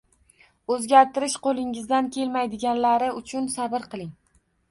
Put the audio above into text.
O‘zgartirish qo‘lingizdan kelmaydiganlari uchun sabr qiling